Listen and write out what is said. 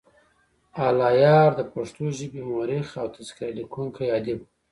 الله یار دپښتو ژبې مؤرخ او تذکرې لیکونی ادیب وو.